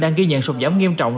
đang ghi nhận sụp giảm nghiêm trọng